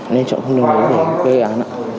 nên chọn khung đường này để khuê án ạ